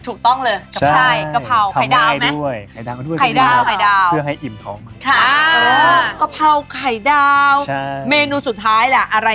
อุ้ยหรอแล้วทำยากหรือเปล่าทำไมผู้ชายชอบอะ